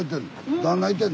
旦那いてんの？